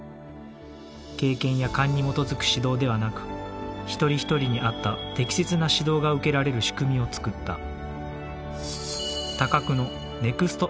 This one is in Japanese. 経験や勘に基づく指導ではなく一人一人に合った適切な指導が受けられる仕組みを作った。